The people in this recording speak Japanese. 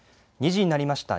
２時になりました。